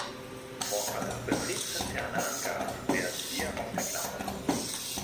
Vor allem betriebsinterne Angaben werden hier ausgeklammert.